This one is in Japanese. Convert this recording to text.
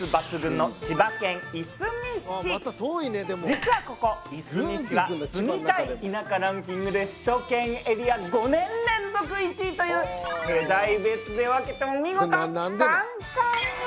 実はここいすみ市は住みたい田舎ランキングで首都圏エリア５年連続１位という世代別で分けても見事三冠王！